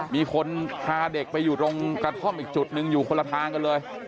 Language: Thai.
มีคนพาเด็กไปอยู่ตรงกระท่อมอีกจุดหนึ่งอยู่คนละทางกันเลย